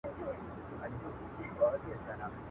رسوي مو زیار او صبر تر هدف تر منزلونو ..